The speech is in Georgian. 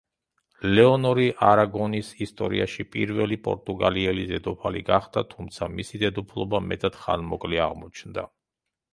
ლეონორი არაგონის ისტორიაში პირველი პორტუგალიელი დედოფალი გახდა, თუმცა მისი დედოფლობა მეტად ხანმოკლე აღმოჩნდა.